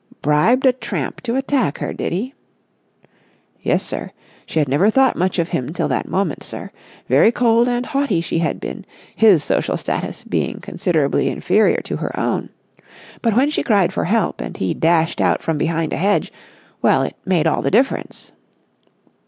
"Bribed a tramp to attack her, did he?" "Yes, sir. She had never thought much of him till that moment, sir. Very cold and haughty she had been, his social status being considerably inferior to her own. But, when she cried for help, and he dashed out from behind a hedge, well, it made all the difference."